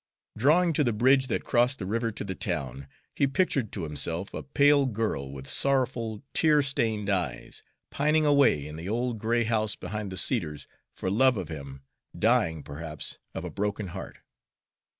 Drawing near the bridge that crossed the river to the town, he pictured to himself a pale girl, with sorrowful, tear stained eyes, pining away in the old gray house behind the cedars for love of him, dying, perhaps, of a broken heart.